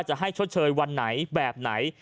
จะให้ชดเชยวันไหนแบบไหน